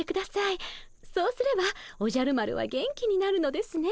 そうすればおじゃる丸は元気になるのですね。